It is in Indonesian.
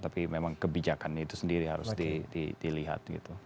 tapi memang kebijakan itu sendiri harus dilihat